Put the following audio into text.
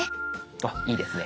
あっいいですね。